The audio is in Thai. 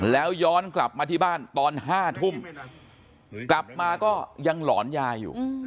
แล้วย้อนกลับมาที่บ้านตอน๕ทุ่มกลับมาก็ยังหลอนยายอยู่